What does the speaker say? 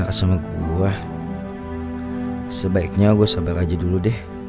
harusnya gue sabar aja dulu deh